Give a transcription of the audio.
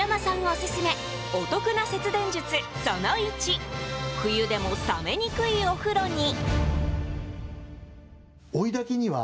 オススメお得な節電術、その１冬でも冷めにくいお風呂に！